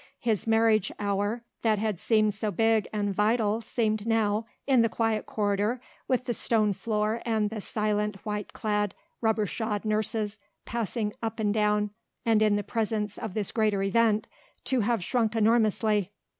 His marriage hour that had seemed so big and vital seemed now, in the quiet corridor, with the stone floor and the silent white clad, rubber shod nurses passing up and down and in the presence of this greater event, to have shrunk enormously.